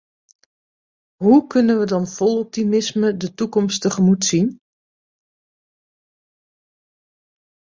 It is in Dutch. Hoe kunnen we dan vol optimisme de toekomst tegemoet zien?